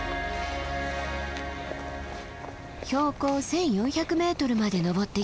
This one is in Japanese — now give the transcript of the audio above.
標高１，４００ｍまで登ってきた。